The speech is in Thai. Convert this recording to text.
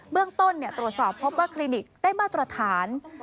เรื่องต้นตรวจสอบพบว่าคลินิกได้มาตรฐาน